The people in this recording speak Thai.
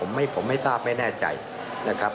ผมไม่ทราบไม่แน่ใจนะครับ